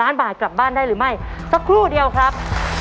ล้านบาทกลับบ้านได้หรือไม่สักครู่เดียวครับ